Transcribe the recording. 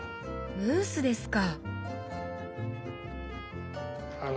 ムースですか！